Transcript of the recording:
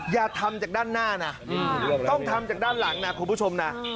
อย่าทำจากด้านหน้านะต้องทำจากด้านหลังนะคุณผู้ชมนะ